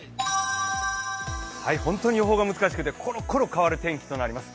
本当に予報が難しくてコロコロ変わる天気となります。